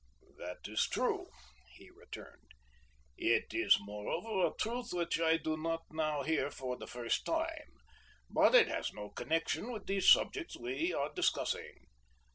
"That is true," he returned; "it is, moreover, a truth which I do not now hear for the first time; but it has no connection with the subject we are discussing.